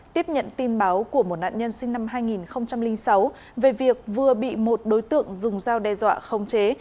tiếp nhận tin báo của một nạn nhân sinh năm hai nghìn sáu về việc vừa bị một đối tượng dùng dao đe dọa khống chế